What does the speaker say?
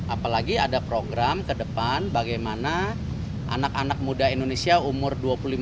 apalagi ada program ke depan bagaimana anak anak muda indonesia umur dua puluh lima tahun